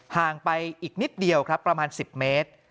ห่างไปอีกนิดเดียวครับประมาณ๑๐เมตร